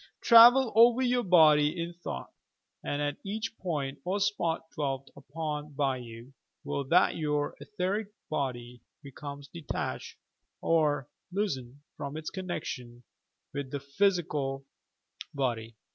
Travel over your body in thought, and at each point or spot dwelt upon by you. will that your etheric body becomes detached or loosened from its connection with the phyai cal body.